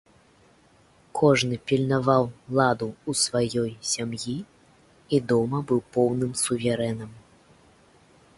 Кожны пільнаваў ладу ў сваёй сям'і і дома быў поўным суверэнам.